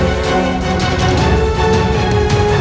akan aku membebaskan indonesia